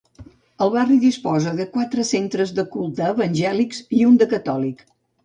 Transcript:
El barri disposa de quatre centres de culte evangèlics i un de catòlic.